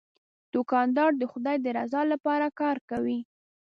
دوکاندار د خدای د رضا لپاره کار کوي.